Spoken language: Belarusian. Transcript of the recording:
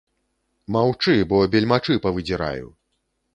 Маўчы, бо бельмачы павыдзіраю!!